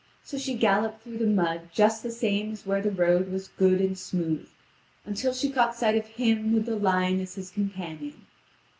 So she galloped through the mud just the same as where the road was good and smooth, until she caught sight of him with the lion as his companion.